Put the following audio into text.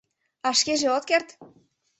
— А шкеже от керт?